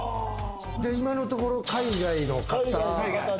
今のところ海外の方。